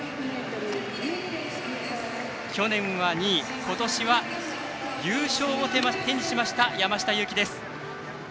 去年は２位今年は優勝を手にした山下祐樹です。